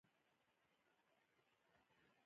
د خلکو ملکیت هم باید په امن کې وي.